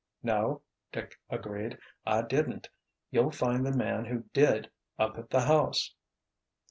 "No," Dick agreed. "I didn't. You'll find the man who did up at the house."